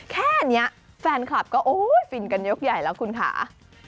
แค่นี้แฟนคลับก็โอ้ยฟินกันยกใหญ่แล้วคุณค่ะ